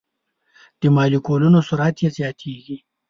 د مالیکولونو سرعت یې زیاتیږي.